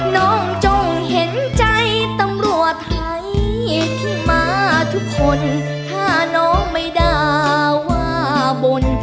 น้องจงเห็นใจตำรวจไทยที่มาทุกคนถ้าน้องไม่ด่าว่าบน